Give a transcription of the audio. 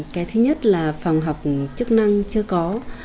cái thứ nhất là phòng học chức năng chưa có